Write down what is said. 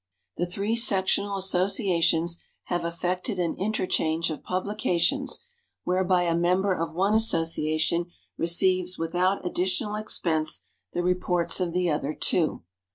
The three sectional associations have effected an interchange of publications whereby a member of one association receives without additional expense the reports of the other two.